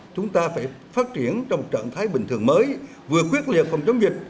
chúng ta phải phát triển trong trạng thái bình thường mới vừa quyết liệt phòng chống dịch